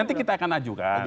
nanti kita akan ajukan